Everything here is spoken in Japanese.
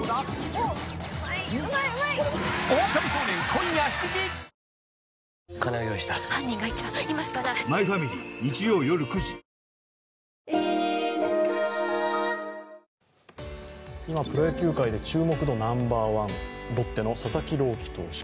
今プロ野球界で注目度ナンバーワン、ロッテの佐々木朗希投手。